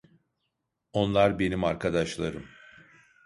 Onlar benim arkadaşlarım.